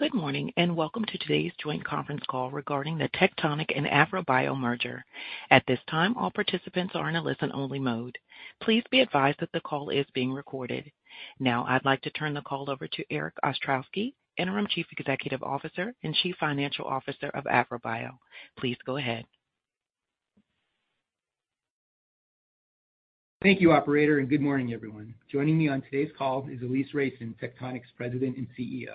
Good morning, and welcome to today's joint conference call regarding the Tectonic and AVROBIO merger. At this time, all participants are in a listen-only mode. Please be advised that the call is being recorded. Now I'd like to turn the call over to Erik Ostrowski, Interim Chief Executive Officer and Chief Financial Officer of AVROBIO. Please go ahead. Thank you, operator, and good morning, everyone. Joining me on today's call is Alise Reicin, Tectonic's President and CEO.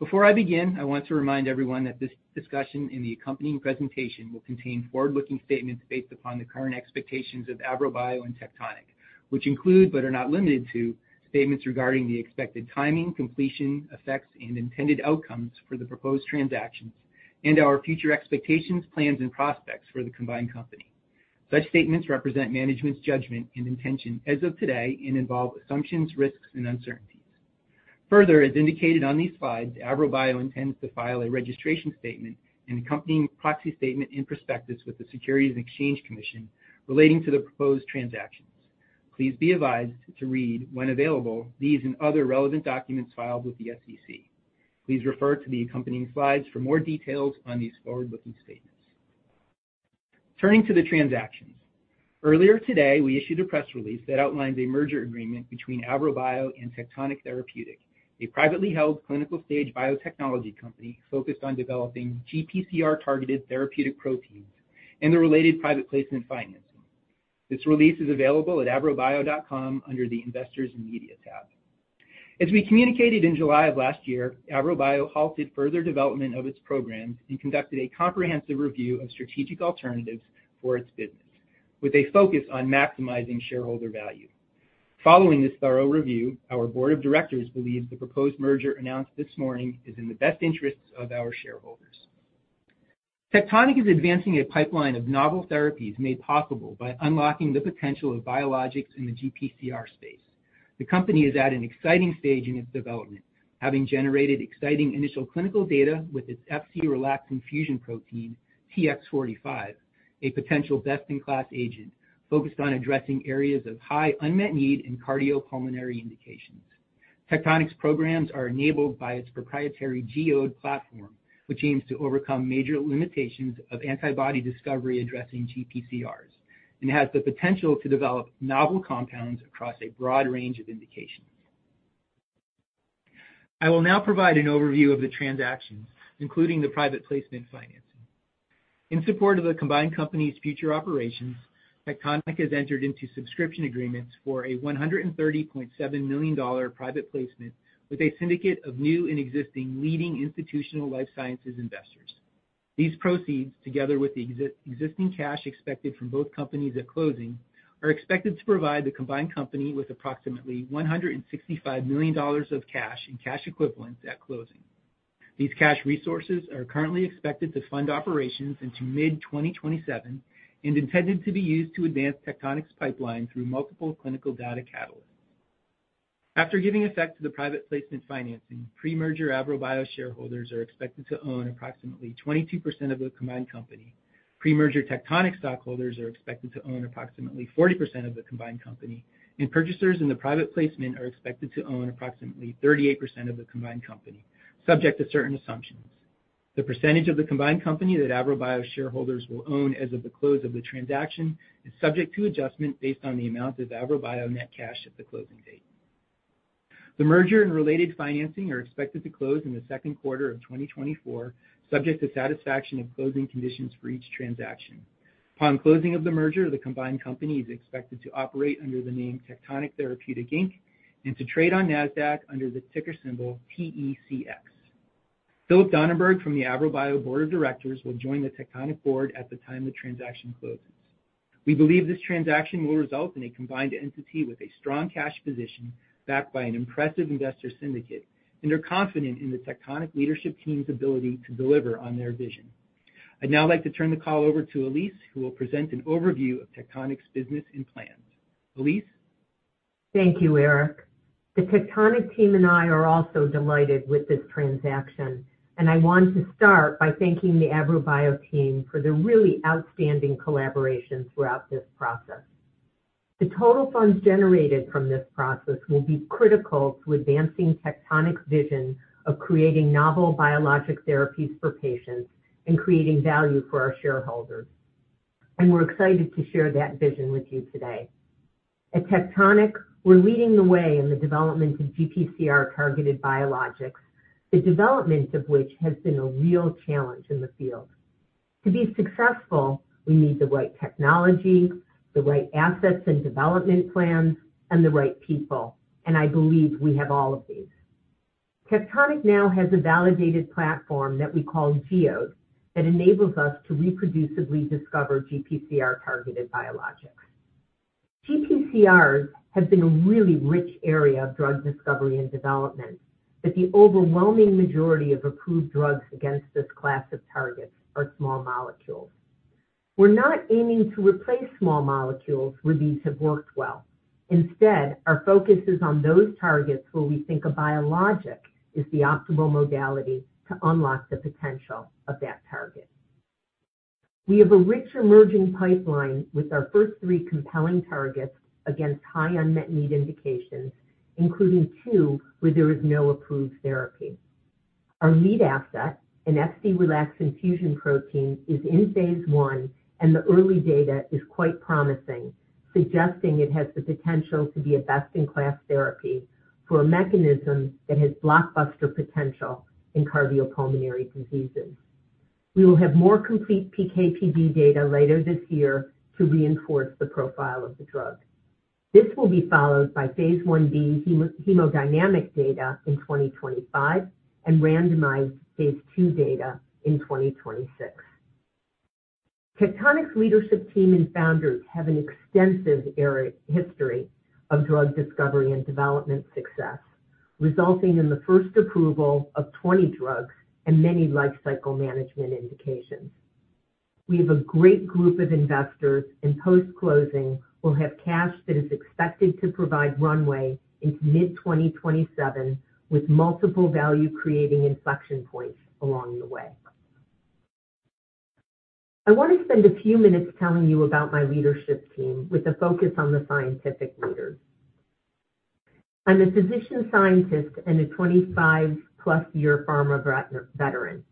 Before I begin, I want to remind everyone that this discussion and the accompanying presentation will contain forward-looking statements based upon the current expectations of AVROBIO and Tectonic, which include, but are not limited to, statements regarding the expected timing, completion, effects, and intended outcomes for the proposed transactions and our future expectations, plans, and prospects for the combined company. Such statements represent management's judgment and intention as of today and involve assumptions, risks, and uncertainties. Further, as indicated on these slides, AVROBIO intends to file a registration statement and accompanying proxy statement and prospectus with the Securities and Exchange Commission relating to the proposed transactions. Please be advised to read, when available, these and other relevant documents filed with the SEC. Please refer to the accompanying slides for more details on these forward-looking statements. Turning to the transactions. Earlier today, we issued a press release that outlines a merger agreement between AVROBIO and Tectonic Therapeutic, a privately held clinical-stage biotechnology company focused on developing GPCR-targeted therapeutic proteins and the related private placement financing. This release is available at avrobio.com under the Investors & Media tab. As we communicated in July of last year, AVROBIO halted further development of its programs and conducted a comprehensive review of strategic alternatives for its business, with a focus on maximizing shareholder value. Following this thorough review, our board of directors believes the proposed merger announced this morning is in the best interests of our shareholders. Tectonic is advancing a pipeline of novel therapies made possible by unlocking the potential of biologics in the GPCR space. The company is at an exciting stage in its development, having generated exciting initial clinical data with its Fc-relaxin fusion protein, TX45, a potential best-in-class agent focused on addressing areas of high unmet need in cardiopulmonary indications. Tectonic's programs are enabled by its proprietary GEODe platform, which aims to overcome major limitations of antibody discovery addressing GPCRs and has the potential to develop novel compounds across a broad range of indications. I will now provide an overview of the transactions, including the private placement financing. In support of the combined company's future operations, Tectonic has entered into subscription agreements for a $130.7 million private placement with a syndicate of new and existing leading institutional life sciences investors. These proceeds, together with the existing cash expected from both companies at closing, are expected to provide the combined company with approximately $165 million of cash and cash equivalents at closing. These cash resources are currently expected to fund operations into mid-2027 and intended to be used to advance Tectonic's pipeline through multiple clinical data catalysts. After giving effect to the private placement financing, pre-merger AVROBIO shareholders are expected to own approximately 22% of the combined company. Pre-merger Tectonic stockholders are expected to own approximately 40% of the combined company, and purchasers in the private placement are expected to own approximately 38% of the combined company, subject to certain assumptions. The percentage of the combined company that AVROBIO shareholders will own as of the close of the transaction is subject to adjustment based on the amount of AVROBIO net cash at the closing date. The merger and related financing are expected to close in the second quarter of 2024, subject to satisfaction of closing conditions for each transaction. Upon closing of the merger, the combined company is expected to operate under the name Tectonic Therapeutic, Inc. and to trade on NASDAQ under the ticker symbol TECX. Philip Donenberg from the AVROBIO Board of Directors will join the Tectonic board at the time the transaction closes. We believe this transaction will result in a combined entity with a strong cash position, backed by an impressive investor syndicate, and are confident in the Tectonic leadership team's ability to deliver on their vision. I'd now like to turn the call over to Alise, who will present an overview of Tectonic's business and plans. Alise? Thank you, Erik. The Tectonic team and I are also delighted with this transaction, and I want to start by thanking the AVROBIO team for their really outstanding collaboration throughout this process. The total funds generated from this process will be critical to advancing Tectonic's vision of creating novel biologic therapies for patients and creating value for our shareholders, and we're excited to share that vision with you today. At Tectonic, we're leading the way in the development of GPCR-targeted biologics, the development of which has been a real challenge in the field. To be successful, we need the right technology, the right assets and development plans, and the right people, and I believe we have all of these. Tectonic now has a validated platform that we call GEODe, that enables us to reproducibly discover GPCR-targeted biologics. GPCRs have been a really rich area of drug discovery and development, but the overwhelming majority of approved drugs against this class of targets are small molecules. We're not aiming to replace small molecules where these have worked well. Instead, our focus is on those targets where we think a biologic is the optimal modality to unlock the potential of that target. We have a rich emerging pipeline with our first three compelling targets against high unmet need indications, including two where there is no approved therapy. Our lead asset, an Fc-relaxin fusion protein, is in phase I, and the early data is quite promising, suggesting it has the potential to be a best-in-class therapy for a mechanism that has blockbuster potential in cardiopulmonary diseases. We will have more complete PK/PD data later this year to reinforce the profile of the drug. This will be followed by phase I-B hemodynamic data in 2025 and randomized phase II data in 2026. Tectonic's leadership team and founders have an extensive history of drug discovery and development success, resulting in the first approval of 20 drugs and many life cycle management indications. We have a great group of investors, and post-closing, we'll have cash that is expected to provide runway into mid-2027, with multiple value-creating inflection points along the way. I want to spend a few minutes telling you about my leadership team with a focus on the scientific leaders. I'm a physician, scientist, and a 25+-year pharma veteran.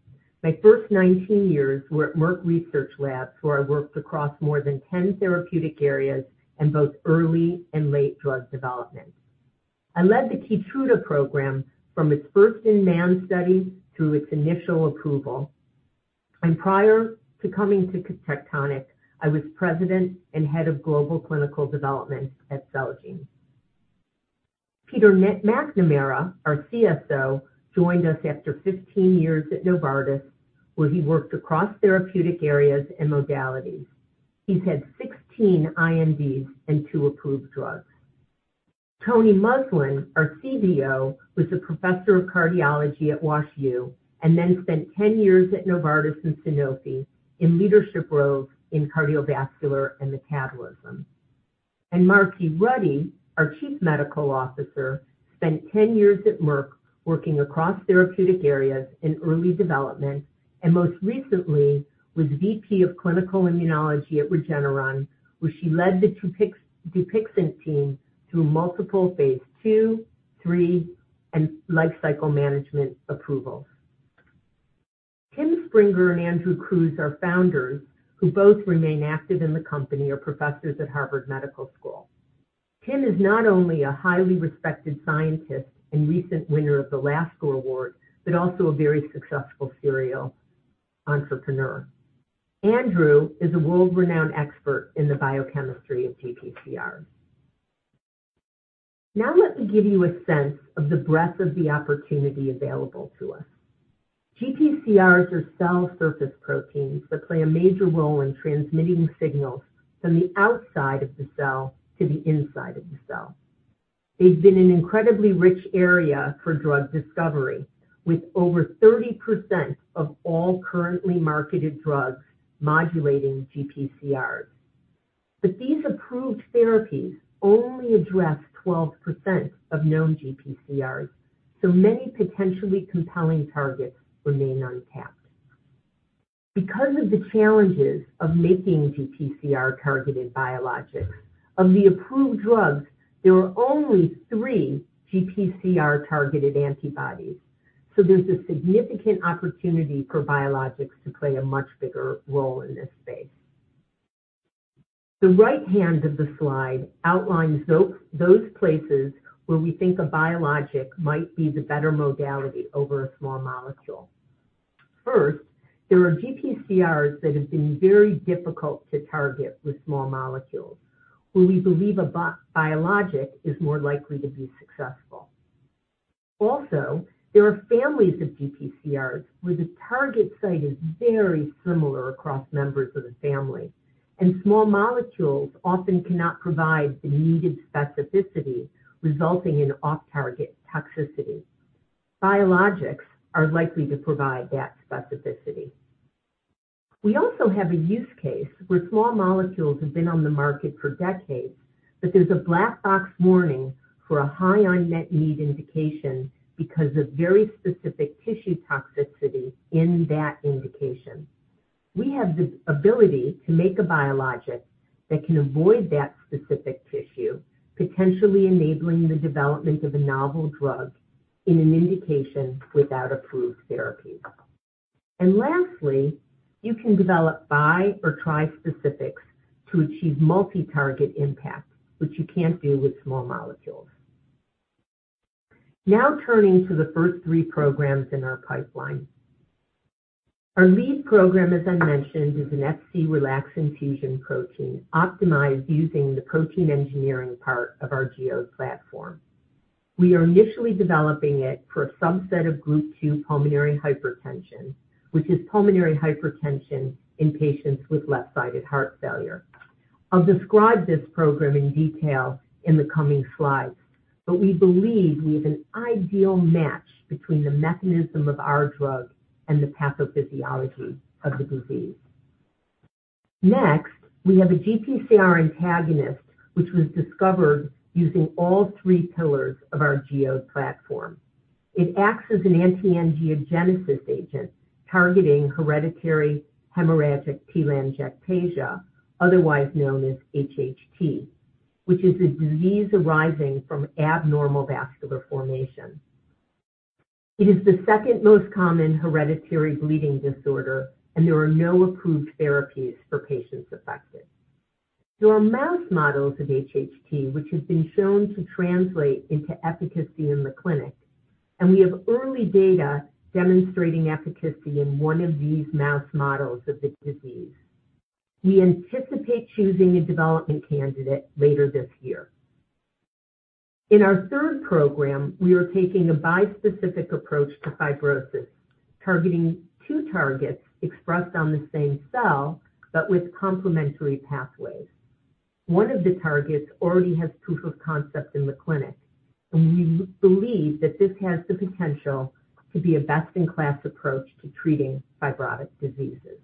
My first 19 years were at Merck Research Labs, where I worked across more than 10 therapeutic areas in both early and late drug development. I led the KEYTRUDA program from its first-in-man study through its initial approval. Prior to coming to Tectonic, I was President and Head of Global Clinical Development at Celgene. Peter McNamara, our CSO, joined us after 15 years at Novartis, where he worked across therapeutic areas and modalities. He's had 16 INDs and 2 approved drugs. Tony Muslin, our CBO, was a professor of cardiology at WashU, and then spent 10 years at Novartis and Sanofi in leadership roles in cardiovascular and metabolism. Marcie Ruddy, our Chief Medical Officer, spent 10 years at Merck, working across therapeutic areas in early development, and most recently was VP of Clinical Immunology at Regeneron, where she led the DUPIXENT team through multiple phase II, III, and life cycle management approvals. Tim Springer and Andrew Kruse are founders who both remain active in the company or professors at Harvard Medical School. Tim is not only a highly respected scientist and recent winner of the Lasker Award, but also a very successful serial entrepreneur. Andrew is a world-renowned expert in the biochemistry of GPCRs. Now, let me give you a sense of the breadth of the opportunity available to us. GPCRs are cell surface proteins that play a major role in transmitting signals from the outside of the cell to the inside of the cell. They've been an incredibly rich area for drug discovery, with over 30% of all currently marketed drugs modulating GPCRs. But these approved therapies only address 12% of known GPCRs, so many potentially compelling targets remain untapped. Because of the challenges of making GPCR-targeted biologics, of the approved drugs, there are only three GPCR-targeted antibodies, so there's a significant opportunity for biologics to play a much bigger role in this space. The right hand of the slide outlines those places where we think a biologic might be the better modality over a small molecule. First, there are GPCRs that have been very difficult to target with small molecules, where we believe a biologic is more likely to be successful. Also, there are families of GPCRs where the target site is very similar across members of the family, and small molecules often cannot provide the needed specificity, resulting in off-target toxicity. Biologics are likely to provide that specificity. We also have a use case where small molecules have been on the market for decades, but there's a black box warning for a high unmet need indication because of very specific tissue toxicity in that indication. We have the ability to make a biologic that can avoid that specific tissue, potentially enabling the development of a novel drug in an indication without approved therapy. Lastly, you can develop bi or trispecifics to achieve multi-target impact, which you can't do with small molecules. Now, turning to the first three programs in our pipeline. Our lead program, as I mentioned, is an Fc-relaxin fusion protein, optimized using the protein engineering part of our GEODe platform. We are initially developing it for a subset of Group 2 pulmonary hypertension, which is pulmonary hypertension in patients with left-sided heart failure. I'll describe this program in detail in the coming slides, but we believe we have an ideal match between the mechanism of our drug and the pathophysiology of the disease. Next, we have a GPCR antagonist, which was discovered using all three pillars of our GEODe platform. It acts as an anti-angiogenesis agent, targeting hereditary hemorrhagic telangiectasia, otherwise known as HHT, which is a disease arising from abnormal vascular formation. It is the second most common hereditary bleeding disorder, and there are no approved therapies for patients affected. There are mouse models of HHT, which have been shown to translate into efficacy in the clinic, and we have early data demonstrating efficacy in one of these mouse models of the disease. We anticipate choosing a development candidate later this year. In our third program, we are taking a bispecific approach to fibrosis, targeting two targets expressed on the same cell, but with complementary pathways. One of the targets already has proof of concept in the clinic, and we believe that this has the potential to be a best-in-class approach to treating fibrotic diseases.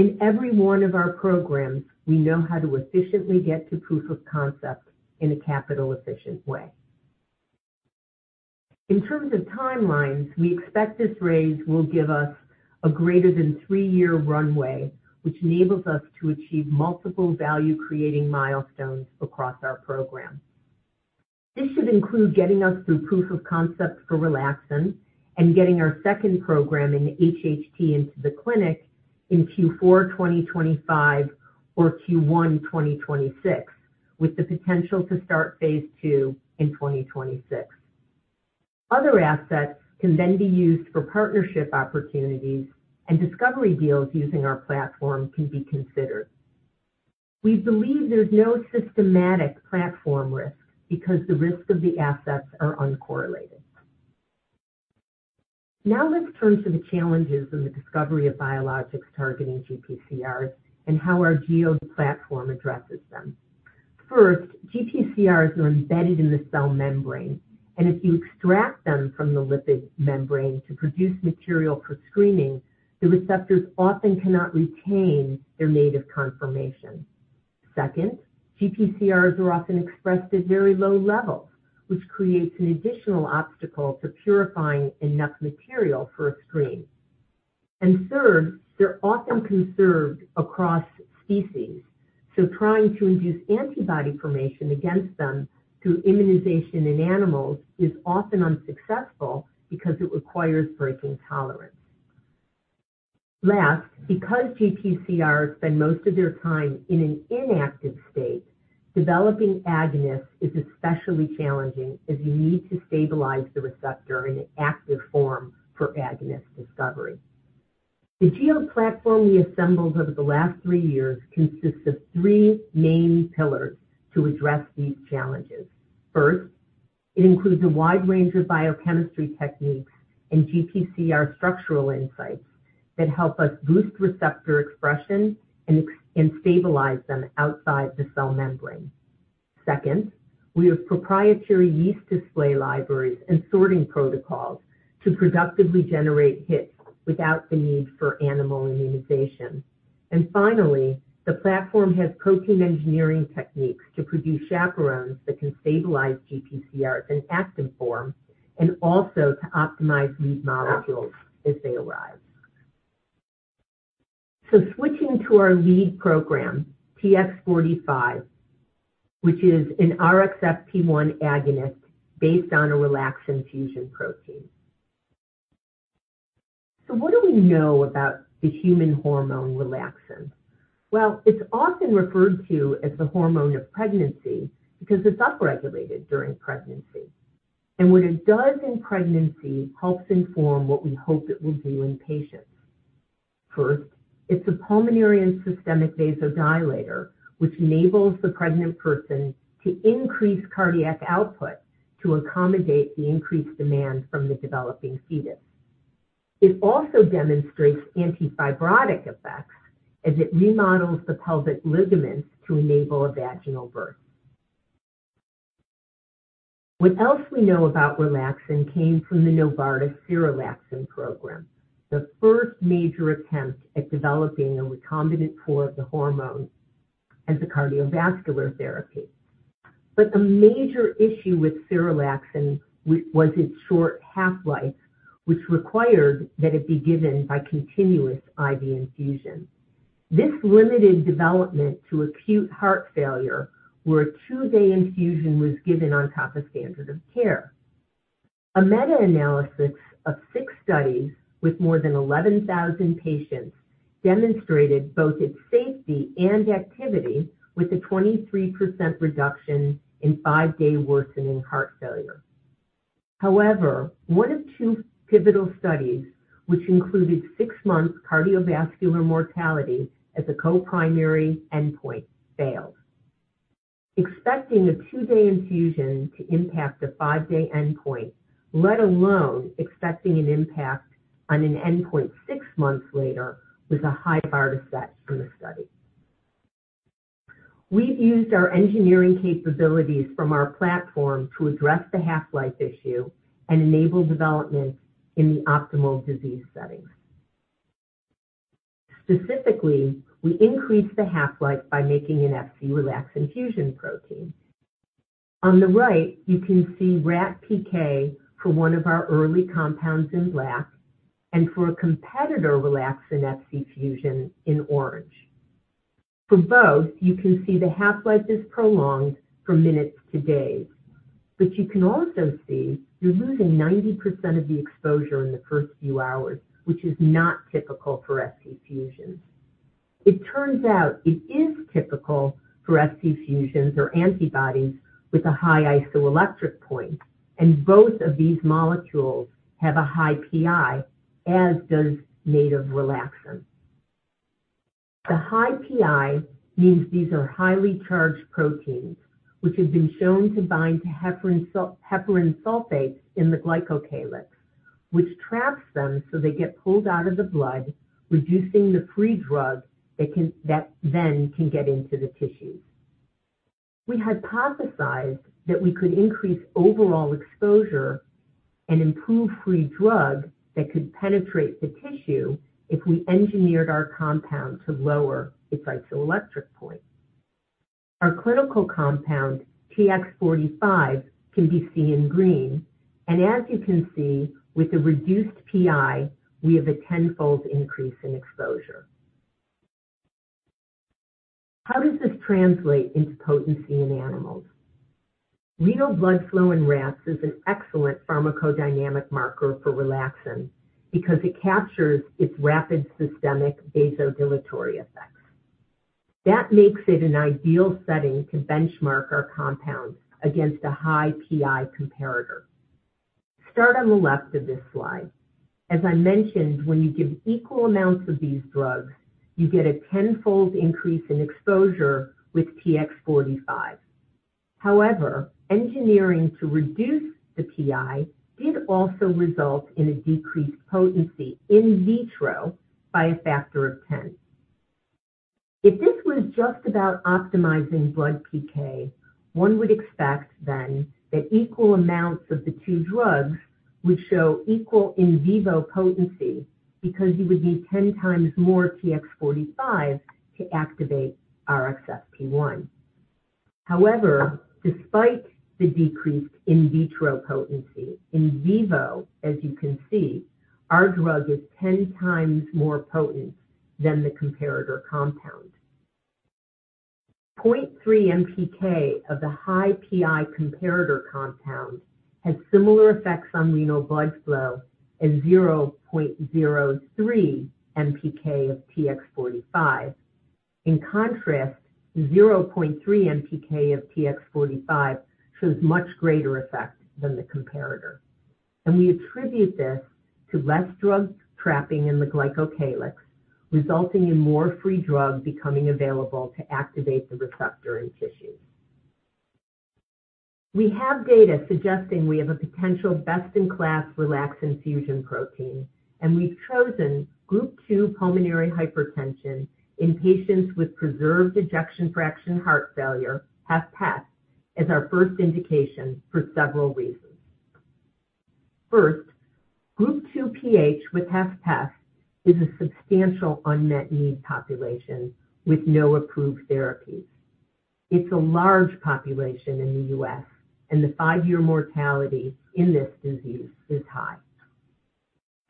In every one of our programs, we know how to efficiently get to proof of concept in a capital-efficient way. In terms of timelines, we expect this raise will give us a greater than three-year runway, which enables us to achieve multiple value-creating milestones across our program. This should include getting us through proof of concept for relaxin and getting our second program in HHT into the clinic in Q4 2025 or Q1 2026, with the potential to start phase II in 2026. Other assets can then be used for partnership opportunities, and discovery deals using our platform can be considered. We believe there's no systematic platform risk because the risk of the assets are uncorrelated. Now, let's turn to the challenges in the discovery of biologics targeting GPCRs and how our GEODe platform addresses them. First, GPCRs are embedded in the cell membrane, and if you extract them from the lipid membrane to produce material for screening, the receptors often cannot retain their native conformation. Second, GPCRs are often expressed at very low levels, which creates an additional obstacle to purifying enough material for a screen. Third, they're often conserved across species, so trying to induce antibody formation against them through immunization in animals is often unsuccessful because it requires breaking tolerance. Last, because GPCRs spend most of their time in an inactive state, developing agonists is especially challenging, as you need to stabilize the receptor in an active form for agonist discovery. The GEODe platform we assembled over the last three years consists of three main pillars to address these challenges. First, it includes a wide range of biochemistry techniques and GPCR structural insights that help us boost receptor expression and stabilize them outside the cell membrane. Second, we have proprietary yeast display libraries and sorting protocols to productively generate hits without the need for animal immunization. And finally, the platform has protein engineering techniques to produce chaperones that can stabilize GPCRs in active form and also to optimize these molecules as they arise. So switching to our lead program, TX45, which is an RXFP1 agonist based on a relaxin fusion protein. So what do we know about the human hormone, relaxin? Well, it's often referred to as the hormone of pregnancy because it's upregulated during pregnancy. And what it does in pregnancy helps inform what we hope it will do in patients. First, it's a pulmonary and systemic vasodilator, which enables the pregnant person to increase cardiac output to accommodate the increased demand from the developing fetus. It also demonstrates antifibrotic effects, as it remodels the pelvic ligaments to enable a vaginal birth. What else we know about relaxin came from the Novartis serelaxin program, the first major attempt at developing a recombinant form of the hormone as a cardiovascular therapy. But the major issue with serelaxin was its short half-life, which required that it be given by continuous IV infusion. This limited development to acute heart failure, where a two-day infusion was given on top of standard of care. A meta-analysis of six studies with more than 11,000 patients demonstrated both its safety and activity, with a 23% reduction in five-day worsening heart failure. However, one of two pivotal studies, which included six-month cardiovascular mortality as a co-primary endpoint, failed. Expecting a two-day infusion to impact a five-day endpoint, let alone expecting an impact on an endpoint six months later, was a high bar to set for the study. We've used our engineering capabilities from our platform to address the half-life issue and enable development in the optimal disease settings. Specifically, we increased the half-life by making an Fc-relaxin fusion protein. On the right, you can see rat PK for one of our early compounds in black and for a competitor relaxin Fc fusion in orange. For both, you can see the half-life is prolonged from minutes to days, but you can also see you're losing 90% of the exposure in the first few hours, which is not typical for Fc fusions. It turns out it is typical for Fc fusions or antibodies with a high isoelectric point, and both of these molecules have a high pI, as does native relaxin. The high pI means these are highly charged proteins, which have been shown to bind to heparan sulfate in the glycocalyx, which traps them so they get pulled out of the blood, reducing the free drug that then can get into the tissues. We hypothesized that we could increase overall exposure and improve free drug that could penetrate the tissue if we engineered our compound to lower its isoelectric point. Our clinical compound, TX45, can be seen in green, and as you can see, with a reduced pI, we have a tenfold increase in exposure. How does this translate into potency in animals? Renal blood flow in rats is an excellent pharmacodynamic marker for relaxin because it captures its rapid systemic vasodilatory effects. That makes it an ideal setting to benchmark our compounds against a high pI comparator. Start on the left of this slide. As I mentioned, when you give equal amounts of these drugs, you get a 10-fold increase in exposure with TX45. However, engineering to reduce the pI did also result in a decreased potency in vitro by a factor of 10. If this was just about optimizing blood PK, one would expect then that equal amounts of the two drugs would show equal in vivo potency because you would need 10 times more TX45 to activate RXFP1. However, despite the decreased in vitro potency, in vivo, as you can see, our drug is 10x more potent than the comparator compound. Zero point three mg/kg of the high pI comparator compound had similar effects on renal blood flow as 0.03 mg/kg of TX45. In contrast, 0.3 mg/kg of TX45 shows much greater effect than the comparator, and we attribute this to less drug trapping in the glycocalyx, resulting in more free drug becoming available to activate the receptor in tissue. We have data suggesting we have a potential best-in-class relaxin fusion protein, and we've chosen Group 2 pulmonary hypertension in patients with preserved ejection fraction heart failure, HFpEF, as our first indication for several reasons. First, Group Two 2 with HFpEF is a substantial unmet need population with no approved therapies. It's a large population in the U.S., and the five-year mortality in this disease is high.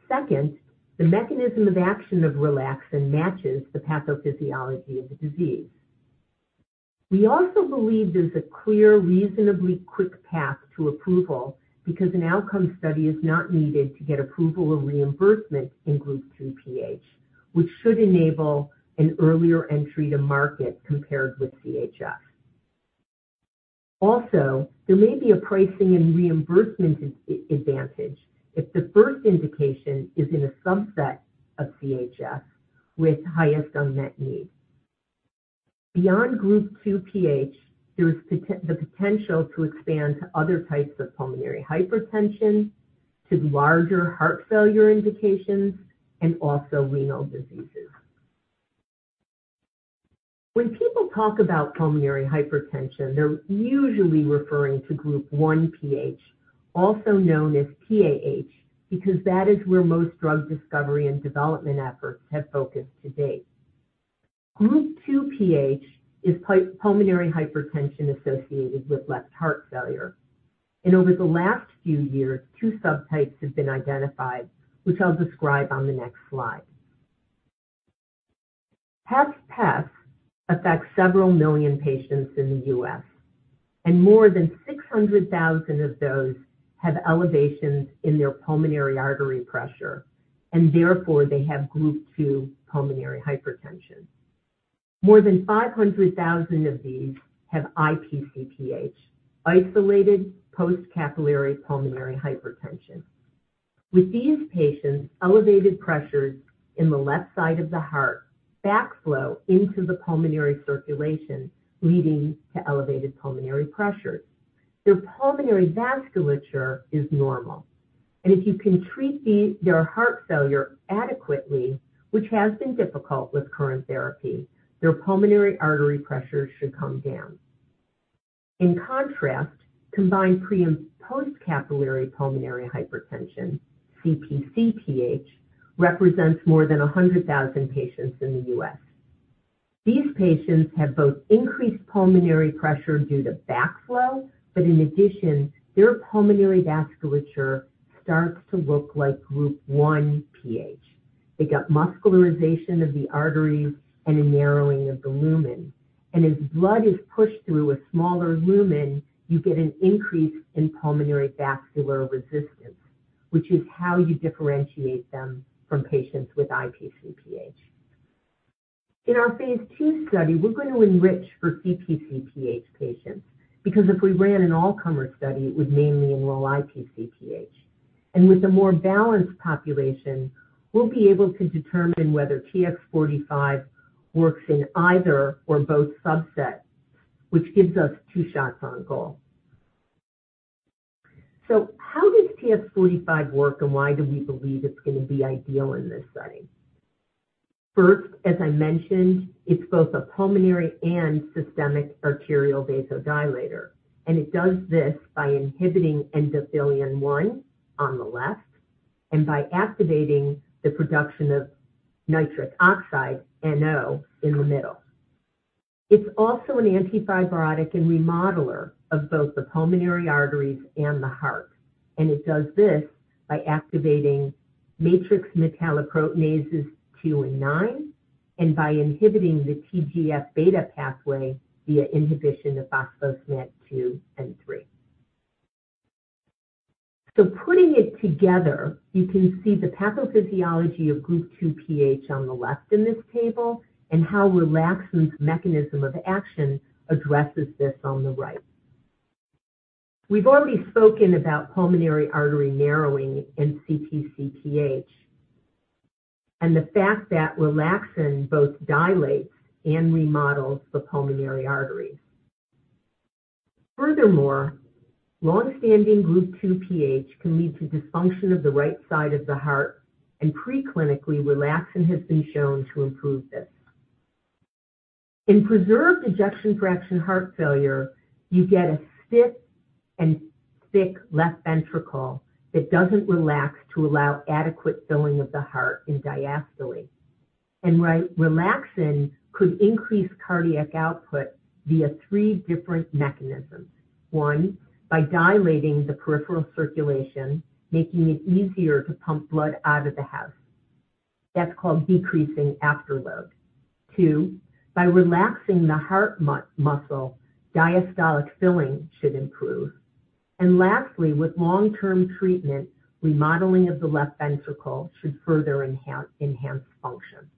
Second, the mechanism of action of relaxin matches the pathophysiology of the disease. We also believe there's a clear, reasonably quick path to approval because an outcome study is not needed to get approval or reimbursement in Group 2 PH, which should enable an earlier entry to market compared with CHF. Also, there may be a pricing and reimbursement advantage if the first indication is in a subset of CHF with highest unmet need. Beyond Group 2 PH, there is the potential to expand to other types of pulmonary hypertension, to larger heart failure indications, and also renal diseases. When people talk about pulmonary hypertension, they're usually referring to Group 1 PH, also known as PAH, because that is where most drug discovery and development efforts have focused to date. Group 2 PH is pulmonary hypertension associated with left heart failure, and over the last few years, two subtypes have been identified, which I'll describe on the next slide. HFpEF affects several million patients in the U.S., and more than 600,000 of those have elevations in their pulmonary artery pressure, and therefore, they have Group 2 pulmonary hypertension. More than 500,000 of these have IPCPH, isolated post-capillary pulmonary hypertension. With these patients, elevated pressures in the left side of the heart backflow into the pulmonary circulation, leading to elevated pulmonary pressures. Their pulmonary vasculature is normal, and if you can treat their heart failure adequately, which has been difficult with current therapy, their pulmonary artery pressure should come down. In contrast, combined pre- and post-capillary pulmonary hypertension, CPCPH, represents more than 100,000 patients in the U.S. These patients have both increased pulmonary pressure due to backflow, but in addition, their pulmonary vasculature starts to look like Group 1 PH. They get muscularization of the arteries and a narrowing of the lumen. As blood is pushed through a smaller lumen, you get an increase in pulmonary vascular resistance, which is how you differentiate them from patients with IPCPH. In our phase II study, we're going to enrich for CPCPH patients because if we ran an all-comer study, it would mainly enroll IPCPH. With a more balanced population, we'll be able to determine whether TX45 works in either or both subsets, which gives us two shots on goal. How does TX45 work, and why do we believe it's going to be ideal in this study? First, as I mentioned, it's both a pulmonary and systemic arterial vasodilator, and it does this by inhibiting endothelin-1 on the left and by activating the production of nitric oxide, NO, in the middle. It's also an antifibrotic and remodeler of both the pulmonary arteries and the heart, and it does this by activating matrix metalloproteinases 2 and 9 and by inhibiting the TGF-beta pathway via inhibition of SMAD 2 and 3. So putting it together, you can see the pathophysiology of Group 2 PH on the left in this table and how relaxin's mechanism of action addresses this on the right. We've already spoken about pulmonary artery narrowing in CPCPH and the fact that relaxin both dilates and remodels the pulmonary arteries. Furthermore, long-standing Group 2 PH can lead to dysfunction of the right side of the heart, and preclinically, relaxin has been shown to improve this. In preserved ejection fraction heart failure, you get a stiff and thick left ventricle that doesn't relax to allow adequate filling of the heart in diastole. Right, relaxin could increase cardiac output via three different mechanisms. One, by dilating the peripheral circulation, making it easier to pump blood out of the heart. That's called decreasing afterload. Two, by relaxing the heart muscle, diastolic filling should improve. Lastly, with long-term treatment, remodeling of the left ventricle should further enhance function.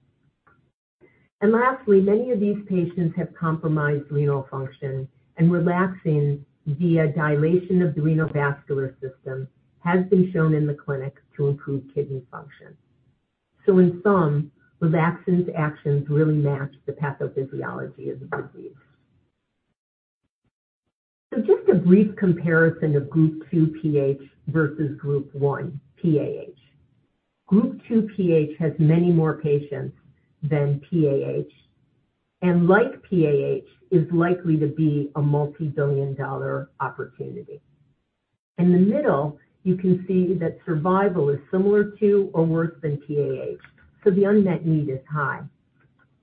Lastly, many of these patients have compromised renal function, and relaxin, via dilation of the renal vascular system, has been shown in the clinic to improve kidney function. In sum, relaxin's actions really match the pathophysiology of the disease. Just a brief comparison of Group 2 PH versus Group 1 PAH. Group 2 PH has many more patients than PAH, and like PAH, is likely to be a multi-billion dollar opportunity. In the middle, you can see that survival is similar to or worse than PAH, so the unmet need is high.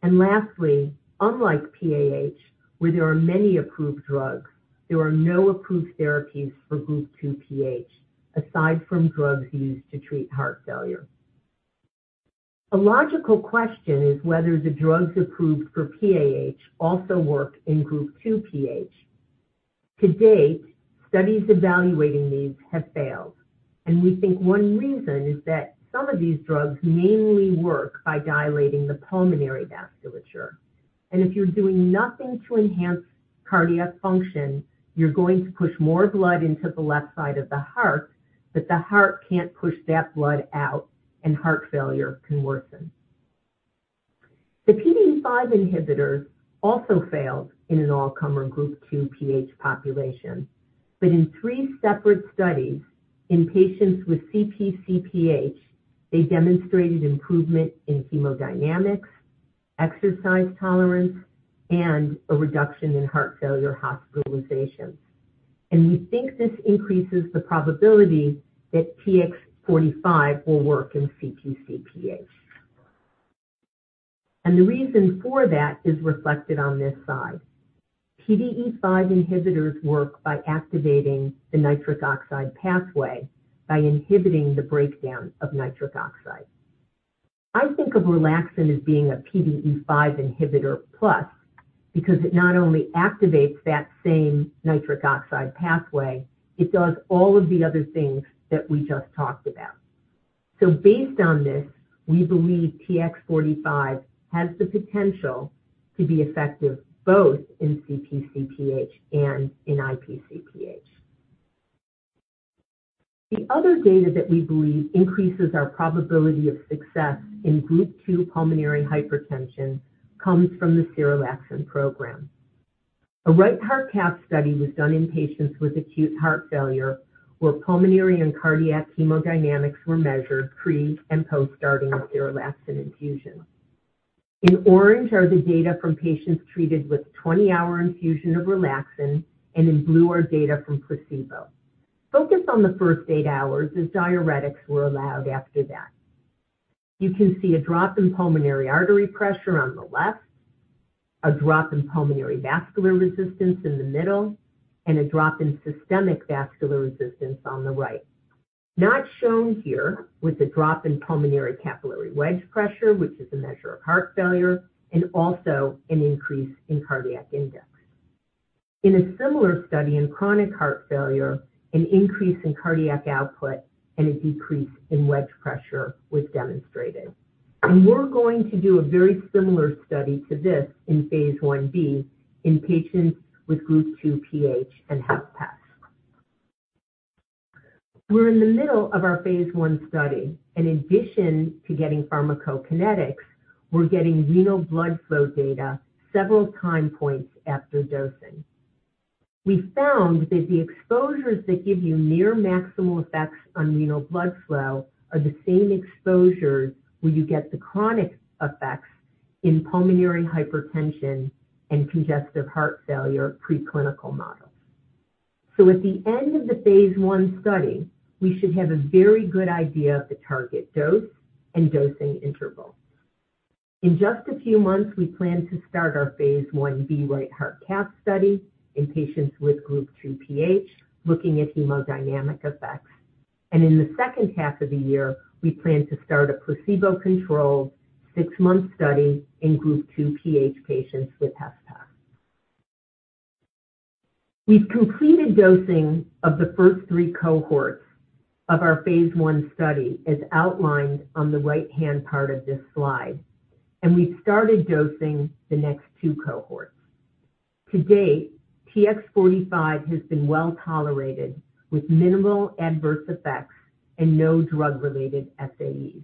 And lastly, unlike PAH, where there are many approved drugs, there are no approved therapies for Group 2 PH, aside from drugs used to treat heart failure. A logical question is whether the drugs approved for PAH also work in Group 2 PH. To date, studies evaluating these have failed, and we think one reason is that some of these drugs mainly work by dilating the pulmonary vasculature. And if you're doing nothing to enhance cardiac function, you're going to push more blood into the left side of the heart, but the heart can't push that blood out, and heart failure can worsen. The PDE5 inhibitors also failed in an all-comer Group 2 PH population, but in three separate studies in patients with CPCPH, they demonstrated improvement in hemodynamics, exercise tolerance, and a reduction in heart failure hospitalizations. We think this increases the probability that TX45 will work in CPCPH. The reason for that is reflected on this side. PDE5 inhibitors work by activating the nitric oxide pathway, by inhibiting the breakdown of nitric oxide. I think of relaxin as being a PDE5 inhibitor plus, because it not only activates that same nitric oxide pathway, it does all of the other things that we just talked about. Based on this, we believe TX45 has the potential to be effective both in CPCPH and in IPCPH. The other data that we believe increases our probability of success in Group 2 pulmonary hypertension comes from the serelaxin program. A right heart cath study was done in patients with acute heart failure, where pulmonary and cardiac hemodynamics were measured pre and post starting a serelaxin infusion. In orange are the data from patients treated with 20-hour infusion of relaxin, and in blue are data from placebo. Focus on the first eight hours, as diuretics were allowed after that. You can see a drop in pulmonary artery pressure on the left, a drop in pulmonary vascular resistance in the middle, and a drop in systemic vascular resistance on the right. Not shown here was the drop in pulmonary capillary wedge pressure, which is a measure of heart failure, and also an increase in cardiac index. In a similar study in chronic heart failure, an increase in cardiac output and a decrease in wedge pressure was demonstrated. We're going to do a very similar study to this in phase I-B in patients with Group 2 PH and HFpEF. We're in the middle of our phase I study. In addition to getting pharmacokinetics, we're getting renal blood flow data several time points after dosing. We found that the exposures that give you near maximal effects on renal blood flow are the same exposures where you get the chronic effects in pulmonary hypertension and congestive heart failure preclinical models. So at the end of the phase I study, we should have a very good idea of the target dose and dosing interval. In just a few months, we plan to start our phase I-B right heart cath study in patients with Group 2 PH, looking at hemodynamic effects. In the second half of the year, we plan to start a placebo-controlled, six-month study in Group 2 PH patients with HFpEF. We've completed dosing of the first three cohorts of our phase I study, as outlined on the right-hand part of this slide, and we've started dosing the next two cohorts. To date, TX45 has been well-tolerated, with minimal adverse effects and no drug-related SAEs.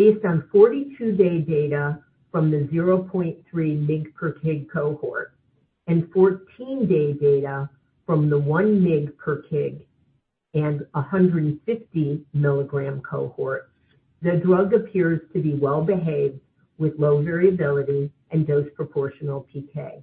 Based on 42-day data from the 0.3 mg/kg cohort and 14-day data from the 1 mg/kg and 150 mg cohort, the drug appears to be well-behaved, with low variability and dose-proportional PK.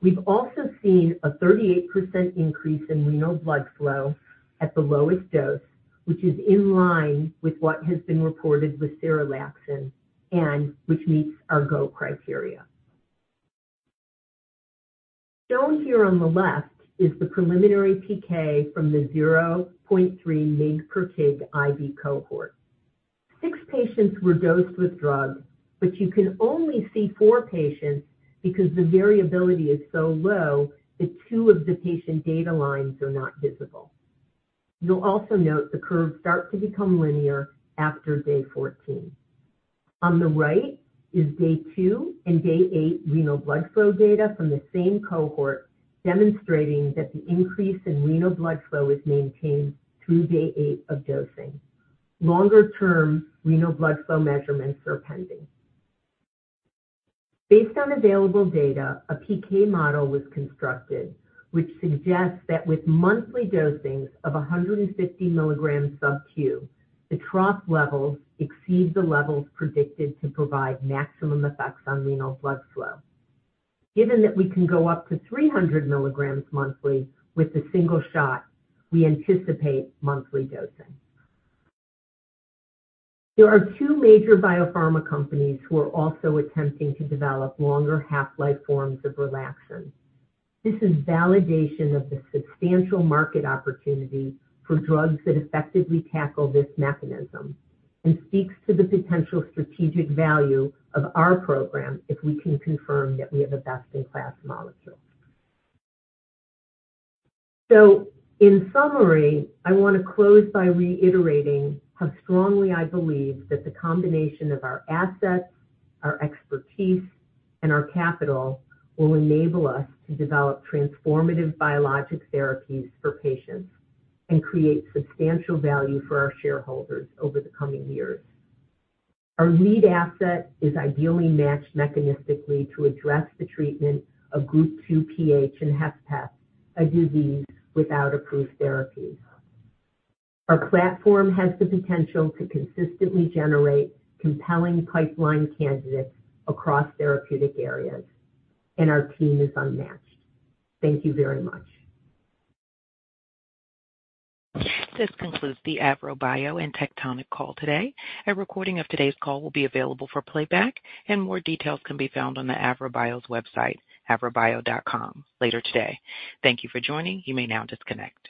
We've also seen a 38% increase in renal blood flow at the lowest dose, which is in line with what has been reported with serelaxin and which meets our go criteria. Shown here on the left is the preliminary PK from the 0.3 mg/kg IV cohort. Six patients were dosed with drug, but you can only see four patients because the variability is so low that two of the patient data lines are not visible. You'll also note the curve starts to become linear after day 14. On the right is day two and day eight renal blood flow data from the same cohort, demonstrating that the increase in renal blood flow is maintained through day eight of dosing. Longer-term renal blood flow measurements are pending. Based on available data, a PK model was constructed, which suggests that with monthly dosing of 150 mg subcu, the trough levels exceed the levels predicted to provide maximum effects on renal blood flow. Given that we can go up to 300 mg monthly with a single shot, we anticipate monthly dosing. There are two major biopharma companies who are also attempting to develop longer half-life forms of relaxin. This is validation of the substantial market opportunity for drugs that effectively tackle this mechanism and speaks to the potential strategic value of our program if we can confirm that we have a best-in-class molecule. So in summary, I want to close by reiterating how strongly I believe that the combination of our assets, our expertise, and our capital will enable us to develop transformative biologic therapies for patients and create substantial value for our shareholders over the coming years. Our lead asset is ideally matched mechanistically to address the treatment of Group 2 PH and HFpEF, a disease without approved therapy. Our platform has the potential to consistently generate compelling pipeline candidates across therapeutic areas, and our team is unmatched. Thank you very much. This concludes the AVROBIO and Tectonic call today. A recording of today's call will be available for playback, and more details can be found on the AVROBIO's website, avrobio.com, later today. Thank you for joining. You may now disconnect.